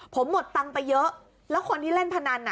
ผมหมดตังค์ไปเยอะแล้วคนที่เล่นพนันอ่ะ